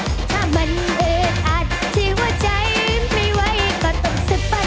ถ้ามันเอออาจที่หัวใจไม่ไหวก็ต้องสึบปัด